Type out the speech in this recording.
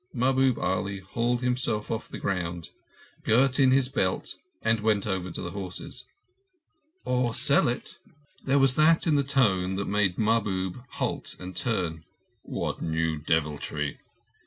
Mahbub Ali hauled himself off the ground, girt in his belt, and went over to the horses. "Or sell it?" There was that in the tone that made Mahbub halt and turn. "What new devilry?"